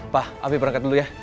pak ami berangkat dulu ya